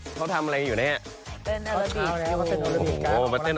ชาวทำอะไรอยู่สจีน